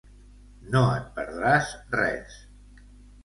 No et perdràs res.